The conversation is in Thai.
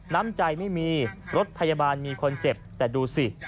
น้ำใจไม่มีรถพยาบาลมีคนเจ็บแต่ดูสิ